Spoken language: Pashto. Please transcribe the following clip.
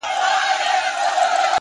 هره ناکامي د راتلونکي لارښود کېږي’